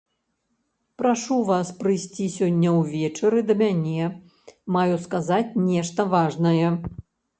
Прашу вас прыйсці сёння ўвечары да мяне, маю сказаць нешта важнае.